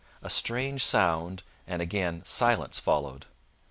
A strange sound and again silence followed.